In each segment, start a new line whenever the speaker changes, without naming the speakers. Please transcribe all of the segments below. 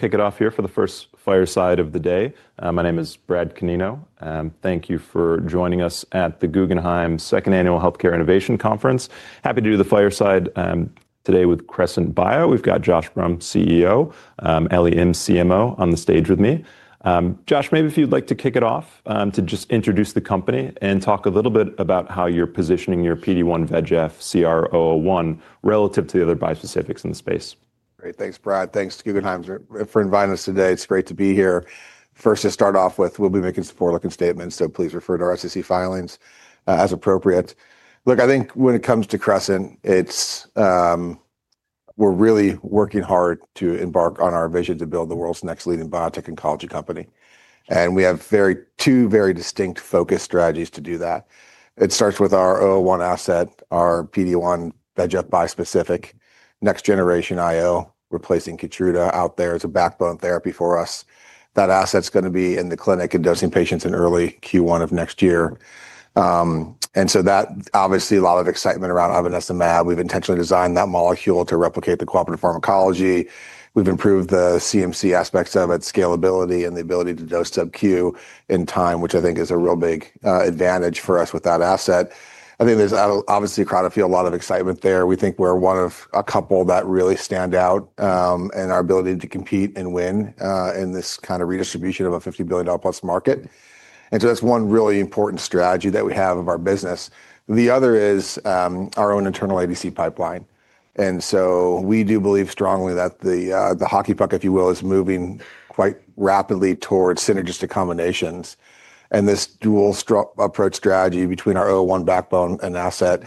Kick it off here for the first fireside of the day. My name is Brad Cannino. Thank you for joining us at the Guggenheim Second Annual Healthcare Innovation Conference. Happy to do the fireside today with Crescent Biopharma. We've got Josh Brumm, CEO, Ellie Im, CMO, on the stage with me. Josh, maybe if you'd like to kick it off to just introduce the company and talk a little bit about how you're positioning your PD1 VEGF CR001 relative to the other biospecifics in the space.
Great. Thanks, Brad. Thanks to Guggenheim for inviting us today. It's great to be here. First, to start off with, we'll be making some forward-looking statements, so please refer to our SEC filings as appropriate. Look, I think when it comes to Crescent, we're really working hard to embark on our vision to build the world's next leading biotech and oncology company. We have two very distinct focus strategies to do that. It starts with our 001 asset, our PD1 VEGF bispecific, next generation IO replacing KEYTRUDA out there as a backbone therapy for us. That asset's going to be in the clinic and dosing patients in early Q1 of next year. There is obviously a lot of excitement around Avanesta MAB. We've intentionally designed that molecule to replicate the cooperative pharmacology. We've improved the CMC aspects of it, scalability, and the ability to dose subcutaneous in time, which I think is a real big advantage for us with that asset. I think there's obviously a crowded field, a lot of excitement there. We think we're one of a couple that really stand out in our ability to compete and win in this kind of redistribution of a $50 billion-plus market. That's one really important strategy that we have of our business. The other is our own internal ADC pipeline. We do believe strongly that the hockey puck, if you will, is moving quite rapidly towards synergistic combinations. This dual approach strategy between our 001 backbone and asset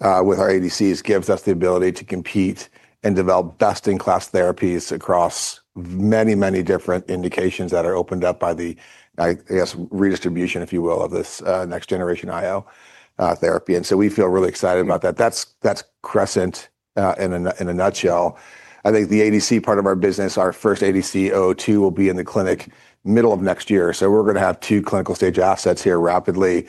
with our ADCs gives us the ability to compete and develop best-in-class therapies across many, many different indications that are opened up by the, I guess, redistribution, if you will, of this next generation IO therapy. We feel really excited about that. That is Crescent in a nutshell. I think the ADC part of our business, our first ADC 002, will be in the clinic middle of next year. We are going to have two clinical stage assets here rapidly,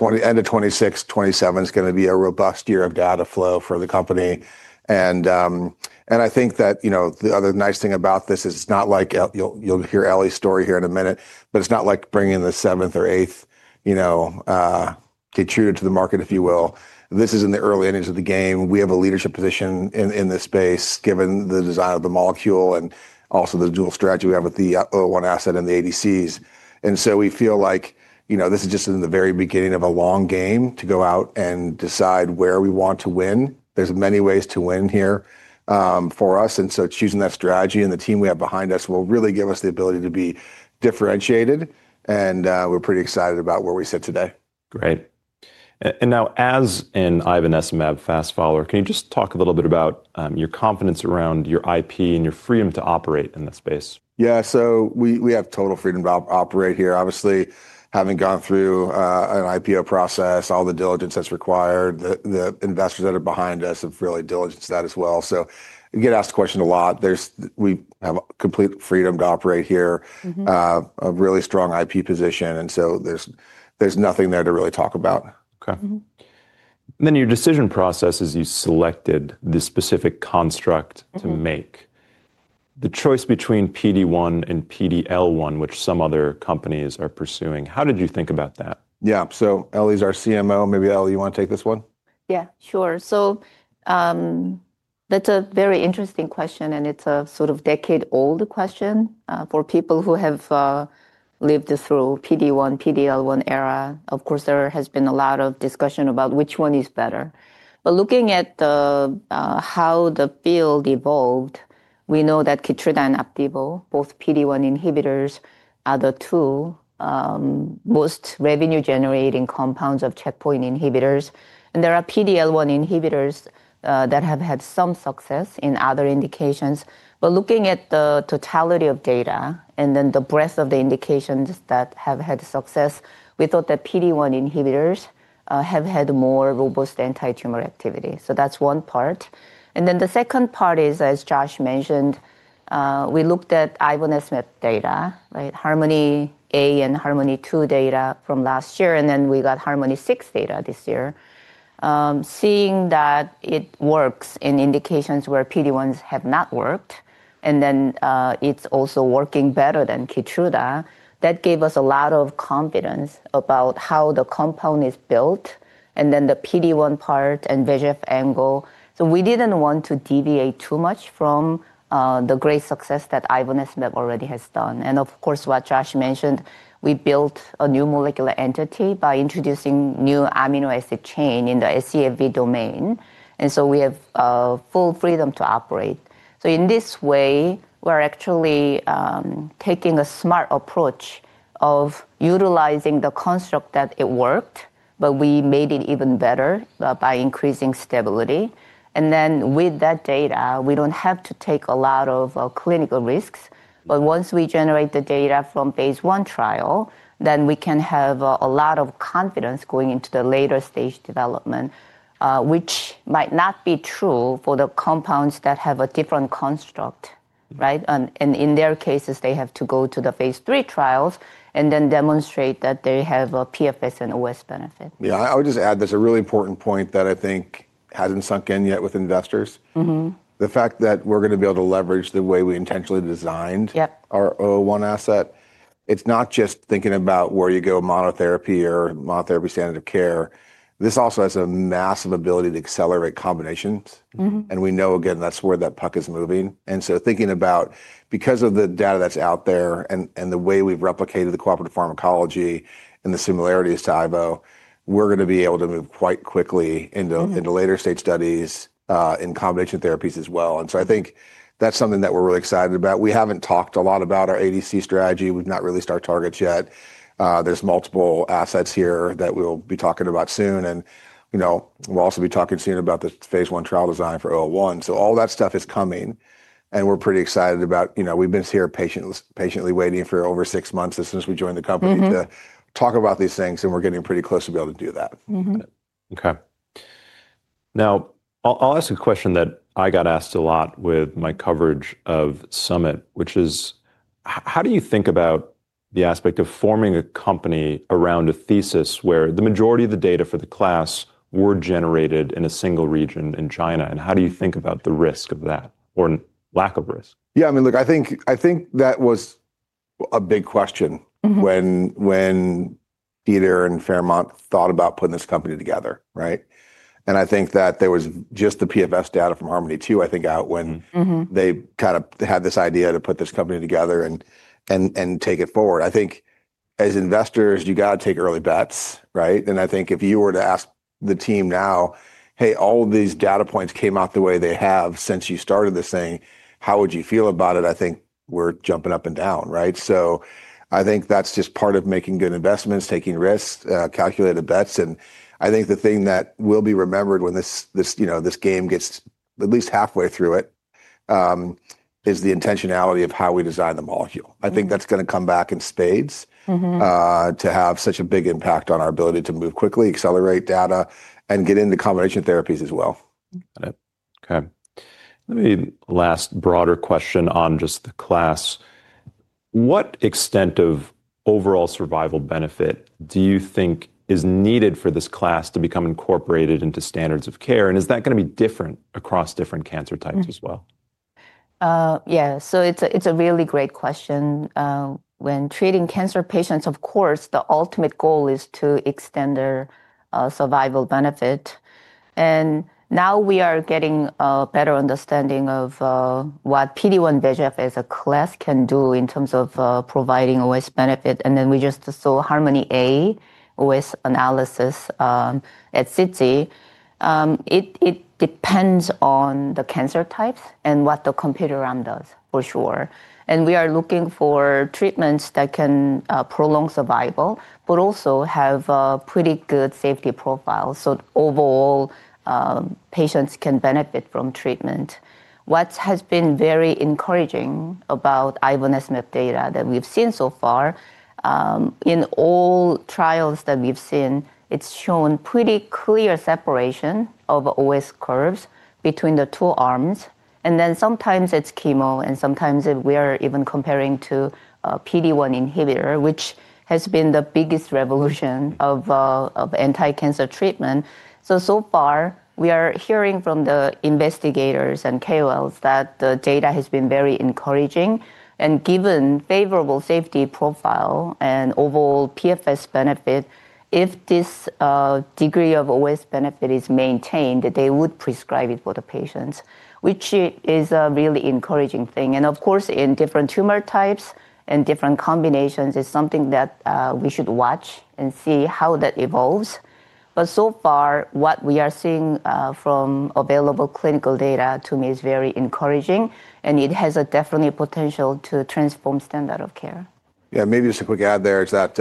end of 2026. 2027 is going to be a robust year of data flow for the company. I think that the other nice thing about this is it is not like you will hear Ellie's story here in a minute, but it is not like bringing the seventh or eighth KEYTRUDA to the market, if you will. This is in the early innings of the game. We have a leadership position in this space, given the design of the molecule and also the dual strategy we have with the 001 asset and the ADCs. We feel like this is just in the very beginning of a long game to go out and decide where we want to win. There are many ways to win here for us. Choosing that strategy and the team we have behind us will really give us the ability to be differentiated. We are pretty excited about where we sit today.
Great. As an Avanesta MAB fast follower, can you just talk a little bit about your confidence around your IP and your freedom to operate in the space?
Yeah. We have total freedom to operate here. Obviously, having gone through an IPO process, all the diligence that's required, the investors that are behind us have really diligenced that as well. You get asked the question a lot. We have complete freedom to operate here, a really strong IP position. There is nothing there to really talk about.
Okay. Your decision process is you selected this specific construct to make. The choice between PD1 and PD-L1, which some other companies are pursuing, how did you think about that?
Yeah. So Ellie's our CMO. Maybe Ellie, you want to take this one?
Yeah, sure. That's a very interesting question, and it's a sort of decade-old question for people who have lived through the PD1, PD-L1 era. Of course, there has been a lot of discussion about which one is better. Looking at how the field evolved, we know that KEYTRUDA and OPDIVO, both PD1 inhibitors, are the two most revenue-generating compounds of checkpoint inhibitors. There are PD-L1 inhibitors that have had some success in other indications. Looking at the totality of data and the breadth of the indications that have had success, we thought that PD1 inhibitors have had more robust anti-tumor activity. That's one part. The second part is, as Josh mentioned, we looked at Avanesta data, Harmony A and Harmony 2 data from last year, and then we got Harmony 6 data this year. Seeing that it works in indications where PD1s have not worked, and then it's also working better than KEYTRUDA, that gave us a lot of confidence about how the compound is built, and then the PD1 part and VEGF angle. We did not want to deviate too much from the great success that Avanesta MAB already has done. Of course, what Josh mentioned, we built a new molecular entity by introducing new amino acid chain in the scFv domain. We have full freedom to operate. In this way, we're actually taking a smart approach of utilizing the construct that worked, but we made it even better by increasing stability. With that data, we do not have to take a lot of clinical risks. Once we generate the data from the phase I trial, then we can have a lot of confidence going into the later stage development, which might not be true for the compounds that have a different construct. In their cases, they have to go to the phase III trials and then demonstrate that they have a PFS and OS benefit.
Yeah. I would just add there's a really important point that I think hasn't sunk in yet with investors. The fact that we're going to be able to leverage the way we intentionally designed our 001 asset, it's not just thinking about where you go monotherapy or monotherapy standard of care. This also has a massive ability to accelerate combinations. We know, again, that's where that puck is moving. Thinking about, because of the data that's out there and the way we've replicated the cooperative pharmacology and the similarities to IVO, we're going to be able to move quite quickly into later stage studies in combination therapies as well. I think that's something that we're really excited about. We haven't talked a lot about our ADC strategy. We've not released our targets yet. There's multiple assets here that we'll be talking about soon. We will also be talking soon about the phase I trial design for 001. All that stuff is coming. We are pretty excited about it, we have been here patiently waiting for over six months since we joined the company to talk about these things. We are getting pretty close to being able to do that.
Okay. Now, I'll ask a question that I got asked a lot with my coverage of Summit, which is, how do you think about the aspect of forming a company around a thesis where the majority of the data for the class were generated in a single region in China? How do you think about the risk of that or lack of risk?
Yeah. I mean, look, I think that was a big question when Peter and Fairmount thought about putting this company together. I think that there was just the PFS data from Harmony 2, I think, out when they kind of had this idea to put this company together and take it forward. I think as investors, you got to take early bets. If you were to ask the team now, "Hey, all of these data points came out the way they have since you started this thing, how would you feel about it?" I think we're jumping up and down. I think that's just part of making good investments, taking risks, calculated bets. I think the thing that will be remembered when this game gets at least halfway through it is the intentionality of how we design the molecule. I think that's going to come back in spades to have such a big impact on our ability to move quickly, accelerate data, and get into combination therapies as well.
Got it. Okay. Let me ask a broader question on just the class. What extent of overall survival benefit do you think is needed for this class to become incorporated into standards of care? Is that going to be different across different cancer types as well?
Yeah. It is a really great question. When treating cancer patients, of course, the ultimate goal is to extend their survival benefit. Now we are getting a better understanding of what PD1 VEGF as a class can do in terms of providing OS benefit. We just saw Harmony A OS analysis at CITSI. It depends on the cancer types and what the comparator arm does, for sure. We are looking for treatments that can prolong survival, but also have a pretty good safety profile so overall patients can benefit from treatment. What has been very encouraging about Avanesta MAB data that we have seen so far, in all trials that we have seen, it has shown pretty clear separation of OS curves between the two arms. Sometimes it is chemo, and sometimes we are even comparing to PD1 inhibitor, which has been the biggest revolution of anti-cancer treatment. We are hearing from the investigators and KOLs that the data has been very encouraging. Given favorable safety profile and overall PFS benefit, if this degree of OS benefit is maintained, they would prescribe it for the patients, which is a really encouraging thing. Of course, in different tumor types and different combinations, it is something that we should watch and see how that evolves. What we are seeing from available clinical data, to me, is very encouraging. It has definitely potential to transform standard of care.
Yeah. Maybe just a quick add there is that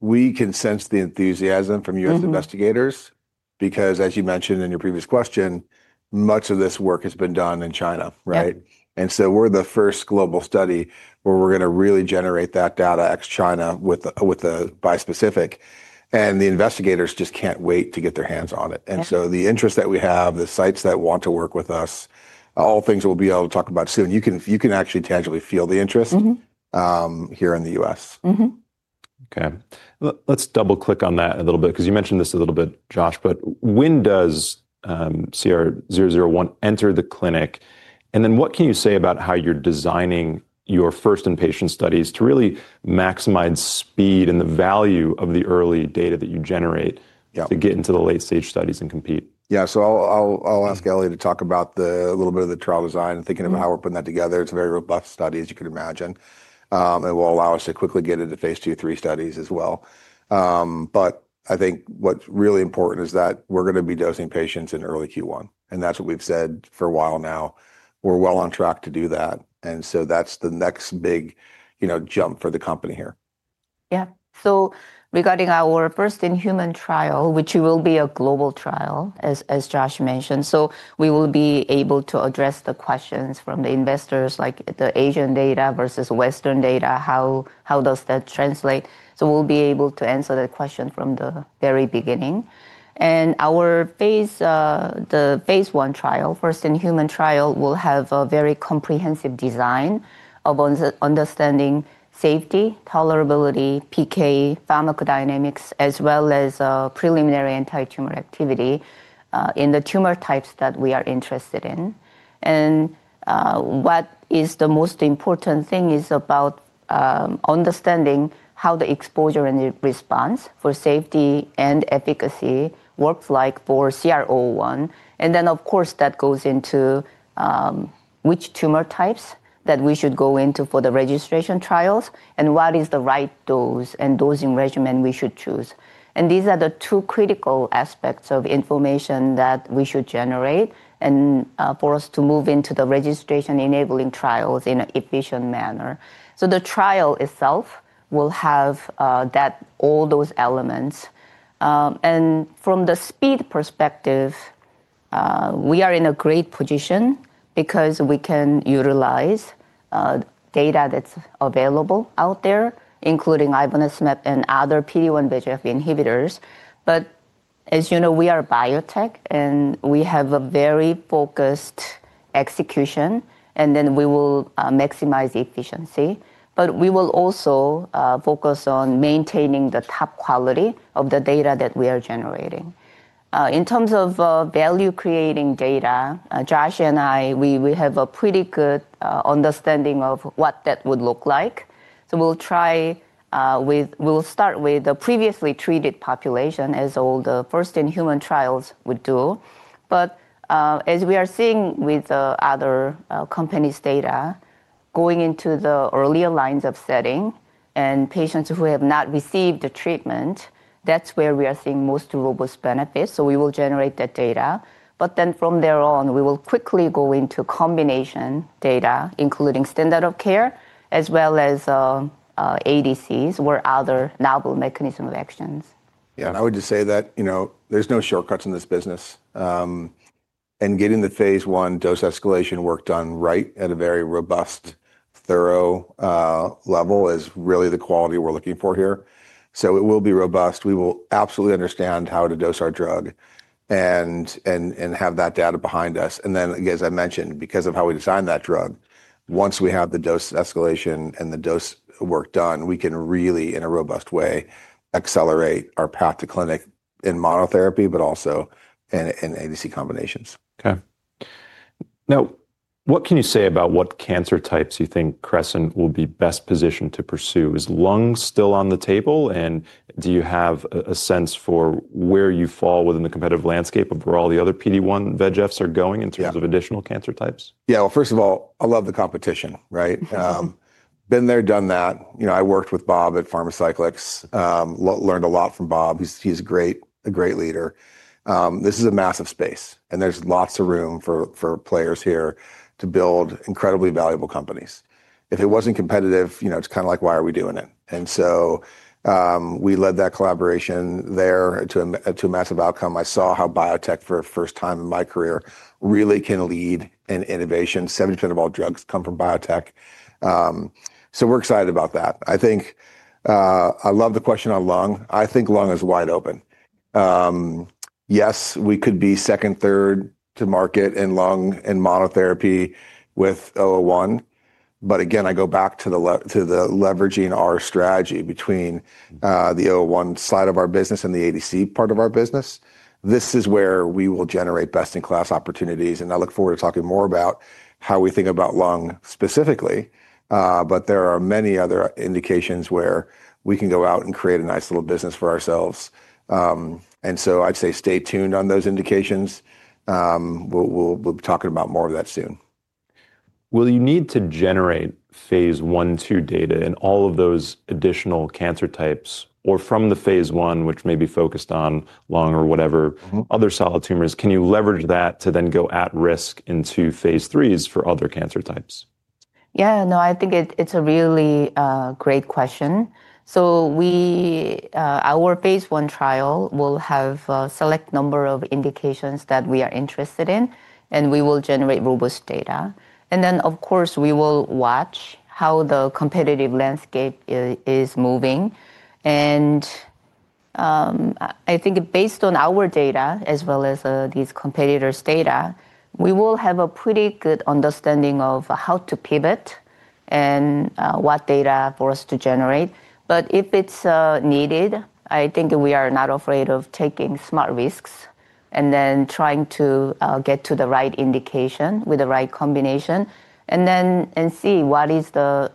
we can sense the enthusiasm from you as investigators because, as you mentioned in your previous question, much of this work has been done in China. We are the first global study where we are going to really generate that data ex-China with a biospecific. The investigators just cannot wait to get their hands on it. The interest that we have, the sites that want to work with us, all things we will be able to talk about soon. You can actually tangibly feel the interest here in the U.S.
Okay. Let's double-click on that a little bit because you mentioned this a little bit, Josh. When does CR001 enter the clinic? What can you say about how you're designing your first in-patient studies to really maximize speed and the value of the early data that you generate to get into the late stage studies and compete?
Yeah. I'll ask Ellie to talk about a little bit of the trial design, thinking about how we're putting that together. It's a very robust study, as you can imagine. It will allow us to quickly get into phase II, three studies as well. I think what's really important is that we're going to be dosing patients in early Q1. That's what we've said for a while now. We're well on track to do that. That's the next big jump for the company here.
Yeah. Regarding our first in-human trial, which will be a global trial, as Josh mentioned, we will be able to address the questions from the investors, like the Asian data versus Western data, how does that translate. We will be able to answer that question from the very beginning. The phase I trial, first in-human trial, will have a very comprehensive design of understanding safety, tolerability, PK, pharmacodynamics, as well as preliminary anti-tumor activity in the tumor types that we are interested in. What is the most important thing is about understanding how the exposure and the response for safety and efficacy works like for CR-001. Of course, that goes into which tumor types we should go into for the registration trials and what is the right dose and dosing regimen we should choose. These are the two critical aspects of information that we should generate for us to move into the registration enabling trials in an efficient manner. The trial itself will have all those elements. From the speed perspective, we are in a great position because we can utilize data that is available out there, including Avanesta MAB and other PD1 VEGF inhibitors. As you know, we are biotech, and we have a very focused execution. We will maximize efficiency. We will also focus on maintaining the top quality of the data that we are generating. In terms of value-creating data, Josh and I, we have a pretty good understanding of what that would look like. We will start with the previously treated population, as all the first in-human trials would do. As we are seeing with other companies' data, going into the earlier lines of setting and patients who have not received the treatment, that's where we are seeing most robust benefits. We will generate that data. From there on, we will quickly go into combination data, including standard of care, as well as ADCs or other novel mechanisms of actions.
Yeah. I would just say that there's no shortcuts in this business. Getting the phase I dose escalation work done right at a very robust, thorough level is really the quality we're looking for here. It will be robust. We will absolutely understand how to dose our drug and have that data behind us. Then, as I mentioned, because of how we design that drug, once we have the dose escalation and the dose work done, we can really, in a robust way, accelerate our path to clinic in monotherapy, but also in ADC combinations.
Okay. Now, what can you say about what cancer types you think Crescent will be best positioned to pursue? Is lung still on the table? Do you have a sense for where you fall within the competitive landscape of where all the other PD1 VEGFs are going in terms of additional cancer types?
Yeah. First of all, I love the competition. Been there, done that. I worked with Bob at Pharmacyclics. Learned a lot from Bob. He's a great leader. This is a massive space. There's lots of room for players here to build incredibly valuable companies. If it wasn't competitive, it's kind of like, why are we doing it? We led that collaboration there to a massive outcome. I saw how biotech, for the first time in my career, really can lead in innovation. 70% of all drugs come from biotech. We're excited about that. I love the question on lung. I think lung is wide open. Yes, we could be second, third to market in lung and monotherapy with 001. Again, I go back to leveraging our strategy between the 001 side of our business and the ADC part of our business. This is where we will generate best-in-class opportunities. I look forward to talking more about how we think about lung specifically. There are many other indications where we can go out and create a nice little business for ourselves. I would say stay tuned on those indications. We will be talking about more of that soon.
Will you need to generate phase I/II data in all of those additional cancer types? Or from the phase I, which may be focused on lung or whatever other solid tumors, can you leverage that to then go at risk into phase III for other cancer types?
Yeah. No, I think it's a really great question. Our phase I trial will have a select number of indications that we are interested in. We will generate robust data. Of course, we will watch how the competitive landscape is moving. I think based on our data, as well as these competitors' data, we will have a pretty good understanding of how to pivot and what data for us to generate. If it's needed, I think we are not afraid of taking smart risks and trying to get to the right indication with the right combination and then see what is the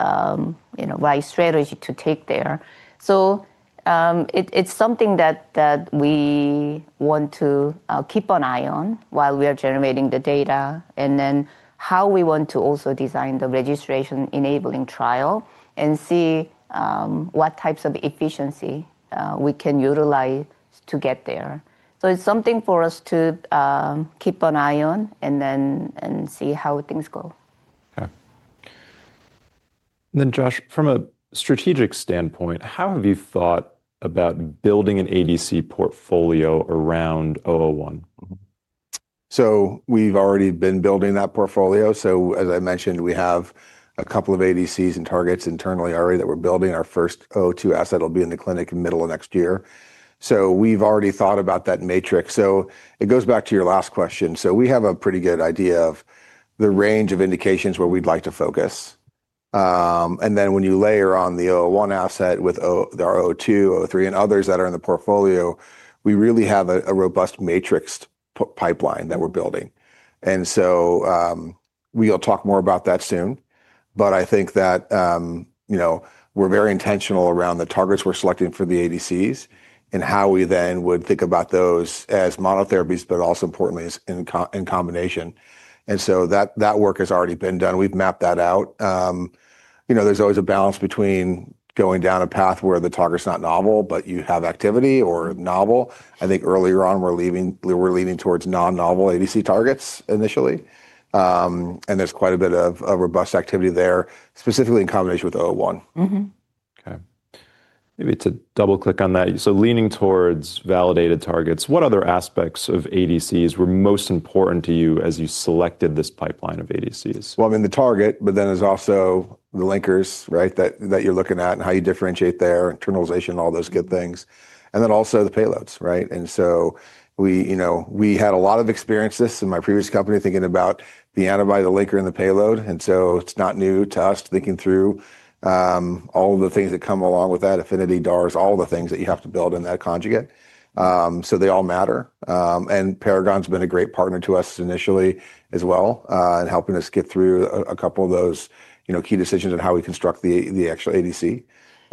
right strategy to take there. It's something that we want to keep an eye on while we are generating the data and then how we want to also design the registration enabling trial and see what types of efficiency we can utilize to get there. It's something for us to keep an eye on and then see how things go.
Okay. Josh, from a strategic standpoint, how have you thought about building an ADC portfolio around 001?
We've already been building that portfolio. As I mentioned, we have a couple of ADCs and targets internally already that we're building. Our first 002 asset will be in the clinic in the middle of next year. We've already thought about that matrix. It goes back to your last question. We have a pretty good idea of the range of indications where we'd like to focus. When you layer on the 001 asset with our 002, 003, and others that are in the portfolio, we really have a robust matrix pipeline that we're building. We'll talk more about that soon. I think that we're very intentional around the targets we're selecting for the ADCs and how we then would think about those as monotherapies, but also importantly in combination. That work has already been done. We've mapped that out. There's always a balance between going down a path where the target's not novel, but you have activity or novel. I think earlier on, we're leaning towards non-novel ADC targets initially. And there's quite a bit of robust activity there, specifically in combination with 001.
Okay. Maybe to double-click on that, so leaning towards validated targets, what other aspects of ADCs were most important to you as you selected this pipeline of ADCs?
I mean, the target, but then there's also the linkers that you're looking at and how you differentiate there, internalization, all those good things. And then also the payloads. We had a lot of experience in my previous company thinking about the antibody, the linker, and the payload. It's not new to us thinking through all of the things that come along with that, affinity, DARs, all the things that you have to build in that conjugate. They all matter. Paragon's been a great partner to us initially as well in helping us get through a couple of those key decisions on how we construct the actual ADC.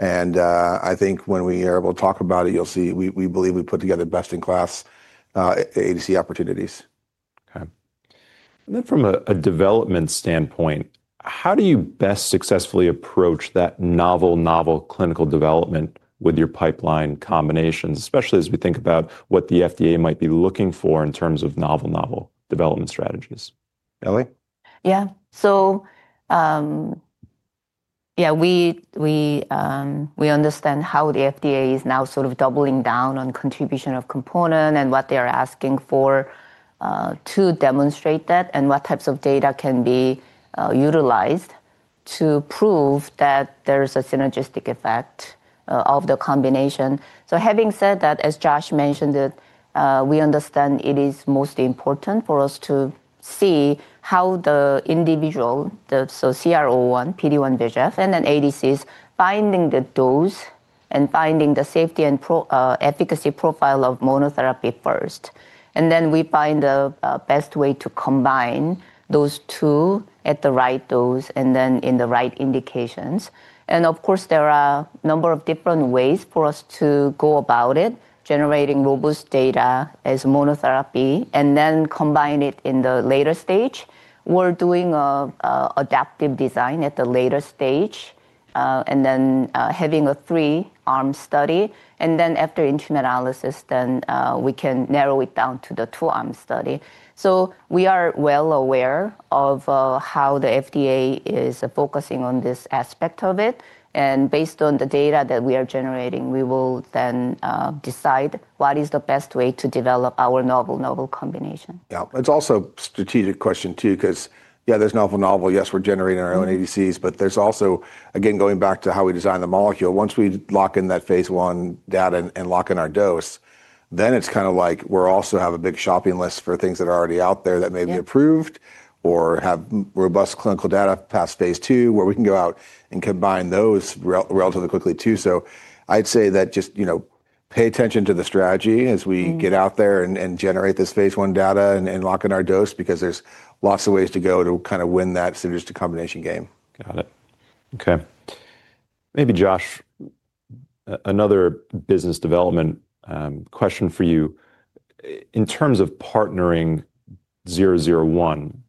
I think when we are able to talk about it, you'll see we believe we put together best-in-class ADC opportunities.
Okay. From a development standpoint, how do you best successfully approach that novel, novel clinical development with your pipeline combinations, especially as we think about what the FDA might be looking for in terms of novel, novel development strategies?
Ellie?
Yeah. So yeah, we understand how the FDA is now sort of doubling down on contribution of component and what they are asking for to demonstrate that and what types of data can be utilized to prove that there is a synergistic effect of the combination. Having said that, as Josh mentioned, we understand it is most important for us to see how the individual, so CR-001, PD1 VEGF, and then ADCs, finding the dose and finding the safety and efficacy profile of monotherapy first. Then we find the best way to combine those two at the right dose and then in the right indications. Of course, there are a number of different ways for us to go about it, generating robust data as monotherapy and then combine it in the later stage. We are doing adaptive design at the later stage and then having a three-arm study. After intramural analysis, we can narrow it down to the two-arm study. We are well aware of how the FDA is focusing on this aspect of it. Based on the data that we are generating, we will then decide what is the best way to develop our novel, novel combination.
Yeah. It's also a strategic question too because, yeah, there's novel, novel. Yes, we're generating our own ADCs. But there's also, again, going back to how we design the molecule, once we lock in that phase I data and lock in our dose, then it's kind of like we also have a big shopping list for things that are already out there that may be approved or have robust clinical data past phase II where we can go out and combine those relatively quickly too. I'd say that just pay attention to the strategy as we get out there and generate this phase I data and lock in our dose because there's lots of ways to go to kind of win that synergistic combination game.
Got it. Okay. Maybe, Josh, another business development question for you. In terms of partnering 001,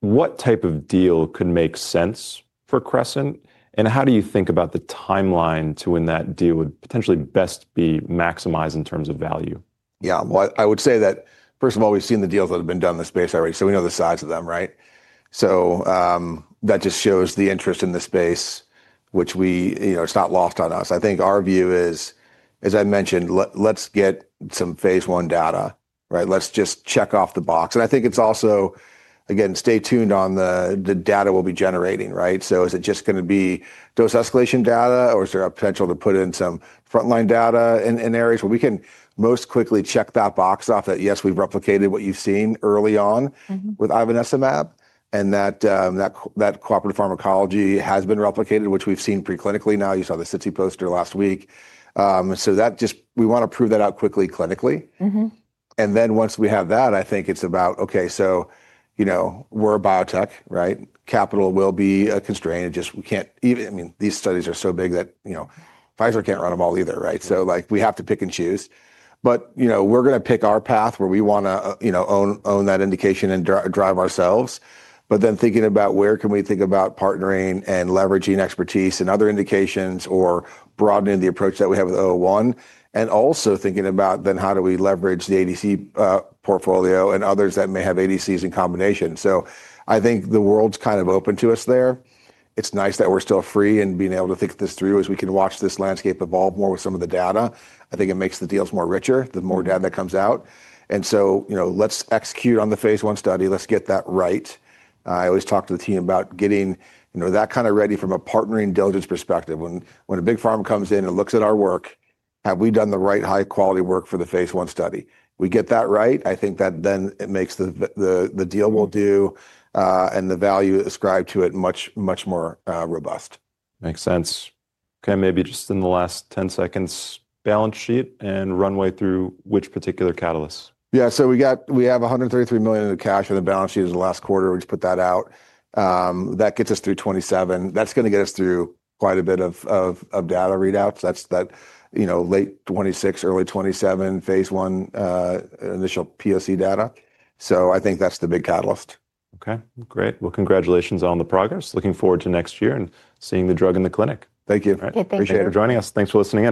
what type of deal could make sense for Crescent? How do you think about the timeline to when that deal would potentially best be maximized in terms of value?
Yeah. I would say that, first of all, we've seen the deals that have been done in the space already. We know the size of them. That just shows the interest in the space, which it's not lost on us. I think our view is, as I mentioned, let's get some phase I data. Let's just check off the box. I think it's also, again, stay tuned on the data we'll be generating. Is it just going to be dose escalation data? Or is there a potential to put in some frontline data in areas where we can most quickly check that box off that, yes, we've replicated what you've seen early on with Avanesta MAB and that cooperative pharmacology has been replicated, which we've seen preclinically now. You saw the CT poster last week. We want to prove that out quickly clinically. Once we have that, I think it's about, OK, so we're a biotech. Capital will be constrained. I mean, these studies are so big that Pfizer can't run them all either. We have to pick and choose. We're going to pick our path where we want to own that indication and drive ourselves. Then thinking about where can we think about partnering and leveraging expertise and other indications or broadening the approach that we have with 001. Also thinking about then how do we leverage the ADC portfolio and others that may have ADCs in combination. I think the world's kind of open to us there. It's nice that we're still free and being able to think this through as we can watch this landscape evolve more with some of the data. I think it makes the deals more rich, the more data that comes out. Let's execute on the phase I study. Let's get that right. I always talk to the team about getting that kind of ready from a partnering diligence perspective. When a big pharma comes in and looks at our work, have we done the right high-quality work for the phase I study? We get that right, I think that then it makes the deal we'll do and the value ascribed to it much, much more robust.
Makes sense. OK, maybe just in the last 10 seconds, balance sheet and runway through which particular catalysts?
Yeah. So we have $133 million in cash in the balance sheet in the last quarter. We just put that out. That gets us through 2027. That's going to get us through quite a bit of data readouts. That's late 2026, early 2027 phase I initial POC data. I think that's the big catalyst.
OK, great. Congratulations on the progress. Looking forward to next year and seeing the drug in the clinic.
Thank you.
Thank you.
Appreciate it for joining us. Thanks for listening on.